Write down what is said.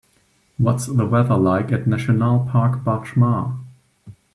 What's the weather like at Nationaal park Bạch Mã